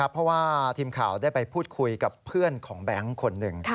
เพราะว่าทีมข่าวได้ไปพูดคุยกับเพื่อนของแบงค์คนหนึ่ง